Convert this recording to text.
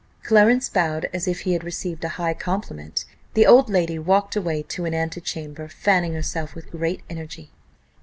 Clarence bowed as if he had received a high compliment the old lady walked away to an antechamber, fanning herself with great energy.